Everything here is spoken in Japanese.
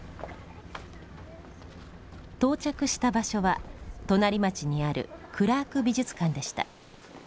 到着した場所は隣町にあるクラーク美術館でした。